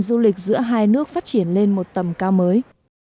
hoạt động du lịch giữa hai nước phát triển lên một tầm cao mới